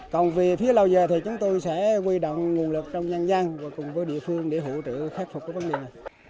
còn về phía lâu dài thì chúng tôi sẽ quy động nguồn lực trong nhân dân và cùng với địa phương để hỗ trợ khắc phục cái vấn đề này